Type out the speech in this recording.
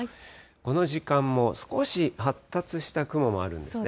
この時間も少し発達した雲もあるんですね。